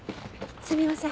すみません。